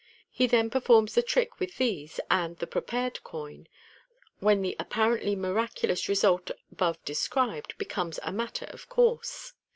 He then performs the trick with these and the prepared coin, when the apparently miraculous result above described becomes a matter ol course.